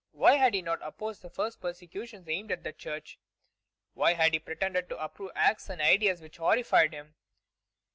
Why had he not opposed the first persecutions aimed at the Church? Why had he pretended to approve acts and ideas which horrified him?